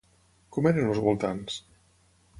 Com eren els voltants?